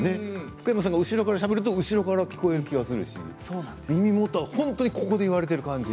福山さんが後ろからしゃべると後ろから聞こえる気がするし耳元の本当にここで言われている感じ。